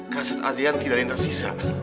kaset adrian tidak diterima sisa